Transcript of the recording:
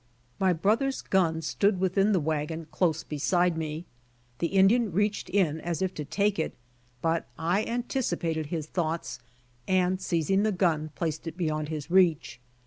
My brother's gun stood within the wagon close beside me. The Indian readied in as if to take it, but I anticipated his thoughts, and seizing the gim, placed it beyond his reach.